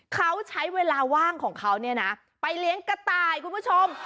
เขาใช้เวลาว่างของเขาเนี่ยนะไปเลี้ยงกระต่ายคุณผู้ชม